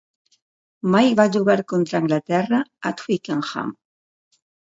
Mick va jugar contra Anglaterra a Twickenham.